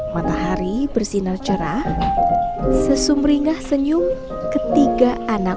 matahari bersinar cerah sesumringah senyum ketiga anak